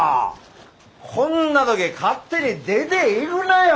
こんな時勝手に出ていぐなよ！